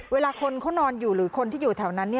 เวลาคนเขานอนอยู่หรือคนที่อยู่แถวนั้น